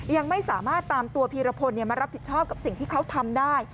ยังไม่สามารถตามตัวพีรพลมารับผิดชอบกับสิ่งที่เขาทำได้